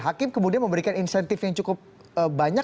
hakim kemudian memberikan insentif yang cukup banyak